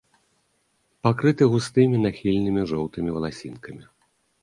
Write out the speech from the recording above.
Пакрыты густымі нахільнымі жоўтымі валасінкамі.